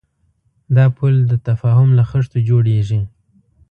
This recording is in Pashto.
دا پُل د تفاهم له خښتو جوړېږي.